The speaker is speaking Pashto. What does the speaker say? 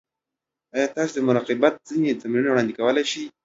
ایا تاسو د مراقبت ځینې تمرینونه وړاندیز کولی شئ؟